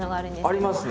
ありますね。